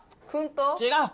違う。